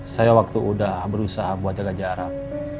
saya waktu udah berusaha buat jaga jarak